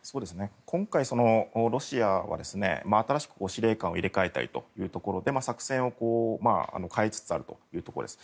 今回ロシアは新しく司令官を入れ替えたり作戦を変えつつあるというところです。